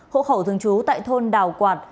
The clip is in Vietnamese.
hỗ khẩu thường trú tại thôn đào quạt